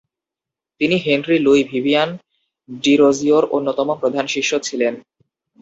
তিনি Henry Louis Vivian ডিরোজিওর অন্যতম প্রধান শিষ্য ছিলেন।